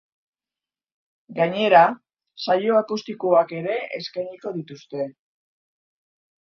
Gainera, saio akustikoak ere eskainiko dituzte.